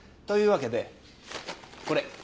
というわけでこれ。